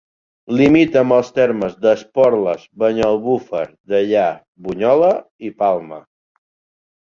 Limita amb els termes d'Esporles, Banyalbufar, Deià, Bunyola i Palma.